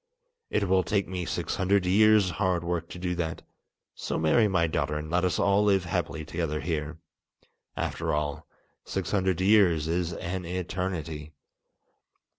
It will take me six hundred years' hard work to do that; so marry my daughter and let us all live happily together here. After all, six hundred years is an eternity!"